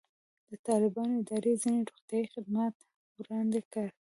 د طالبانو ادارې ځینې روغتیایي خدمات وړاندې کړي.